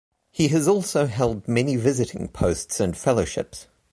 He has also held many visiting posts and fellowships.